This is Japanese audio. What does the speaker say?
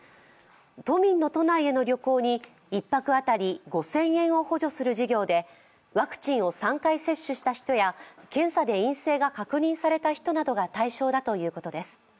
都民の都内への旅行に１泊当たり５０００円を補助する事業でワクチンを３回接種した人や検査で陰性が確認された人などが対象だということです。